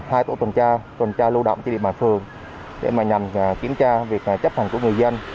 hai tổ tuần tra tuần tra lưu động trên địa bàn phường để nhằm kiểm tra việc chấp hành của người dân